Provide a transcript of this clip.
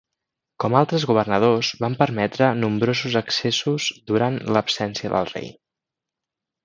Com altres governadors van permetre nombrosos excessos durant l'absència del rei.